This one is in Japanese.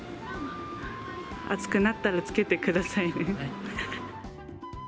暑くなったらつけてくださいはい。